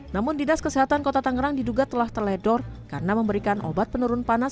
namun dinas kesehatan kota tangerang diduga telah terledor karena memberikan obat penurun panas